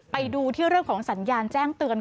ไปดูที่เรื่องของสัญญาณแจ้งเตือน